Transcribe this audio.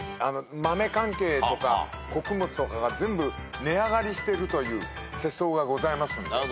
豆関係とか穀物とかが全部値上がりしてるという世相がございますんで。